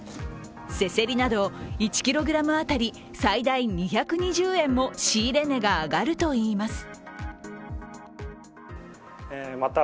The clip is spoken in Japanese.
せせりなど１ｋｇ当たり最大２２０円も仕入れ値が上がるといいます。